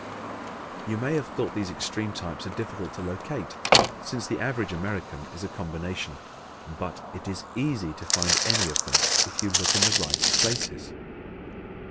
You may have thought these extreme types are difficult to locate, since the average American is a combination. But it is easy to find any of them if you look in the right places.